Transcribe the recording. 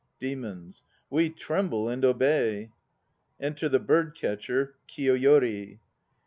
DEMONS. We tremble and obey. (Enter the bird catcher, KIYOYORI).